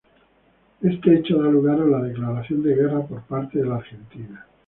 Este hecho da lugar a la declaración de guerra por parte de la Argentina.